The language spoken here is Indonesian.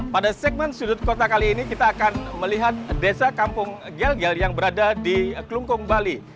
pada segmen sudut kota kali ini kita akan melihat desa kampung gel gel yang berada di kelungkung bali